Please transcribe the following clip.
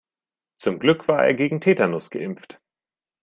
Zum Glück war er gegen Tetanus geimpft.